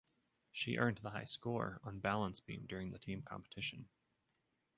She earned the high score on balance beam during the team competition.